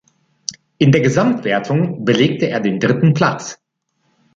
In der Gesamtwertung belegte er den dritten Platz.